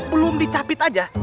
belum dicapit aja